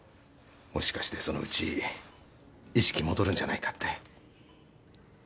もしかしてそのうち意識戻るんじゃないかって。